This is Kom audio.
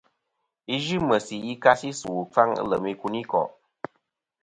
Yi yɨ meysi yi ka si ɨsu ɨkfaŋ ɨ lem ikuniko'.